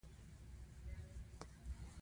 قبیلې هم د وخت په تېرېدو جوړې شوې.